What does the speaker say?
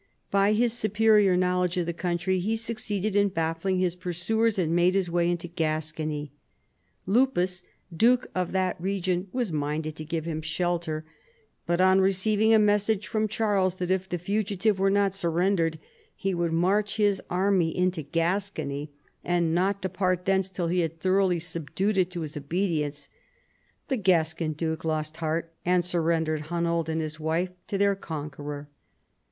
By his superior knowledge of the country he succeeded in baffling his pursuers and made his way into Gascony. Lupus, duke of that region, was minded to give him shelter, but on re FALL OF THE LOMBARD MONARCHY. 113 ceiving a message from Charles that if the fugitive were not surrendered he would march his army into Gascon}' and not depart thence till he had thoroughly subdued it to his obedience, the Gascon duke lost heart and surrendered Hunold and his wife to their conqueror.